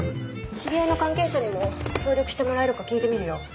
知り合いの関係者にも協力してもらえるか聞いてみるよ。